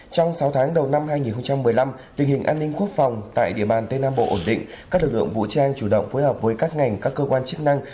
trong sáu tháng đầu năm hai nghìn một mươi năm tình hình an ninh quốc phòng tại địa bàn tây nam bộ ổn định các lực lượng vũ trang chủ động phối hợp với các ngành các cơ quan chức năng